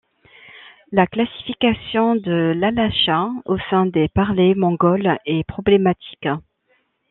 La classification de l'alasha au sein des parlers mongols est problématique.